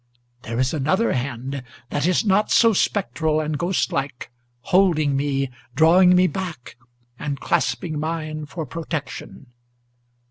There is another hand, that is not so spectral and ghost like, Holding me, drawing me back, and clasping mine for protection.